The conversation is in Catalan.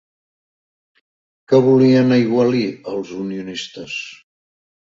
Què volien aigualir els unionistes?